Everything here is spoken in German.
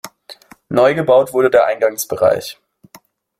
Neu gebaut wurde der Eingangsbereich.